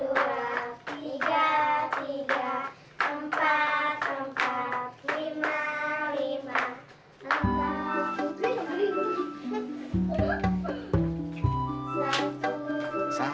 tapi dia nggak datang sama sekali